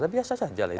tapi biasa saja lah itu